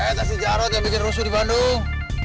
itu jarod yang bikin rusuh di badan